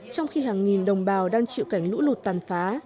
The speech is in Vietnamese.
trong khi hàng nghìn đồng bào đang chịu cảnh lũ lụt tàn phá